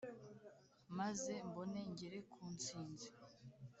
maze mbone ngere ku ntsinzi